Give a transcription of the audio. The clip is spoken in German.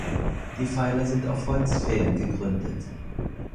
Die Pfeiler sind auf Holzpfählen gegründet.